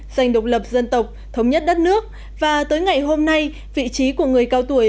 dành độc lập dân tộc thống nhất đất nước và tới ngày hôm nay vị trí của người cao tuổi